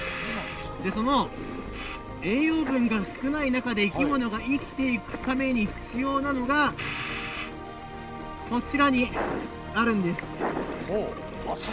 その栄養分が少ない中で生き物が生きていくために必要なのが、こちらにあるんです。